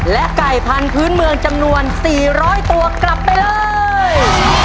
และไก่พันธุ์เมืองจำนวน๔๐๐ตัวกลับไปเลย